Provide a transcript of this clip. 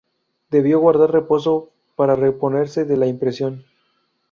Debió guardar reposo para reponerse de la impresión.